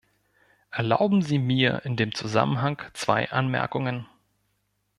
Erlauben Sie mir in dem Zusammenhang zwei Anmerkungen.